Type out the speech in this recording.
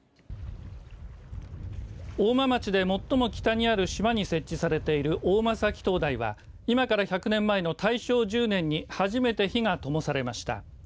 大間町で最も北にある島に設置されている大間埼灯台は今から１００年前の大正１０年に初めて火がともされました。